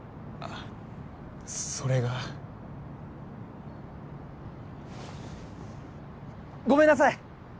あそれがごめんなさい！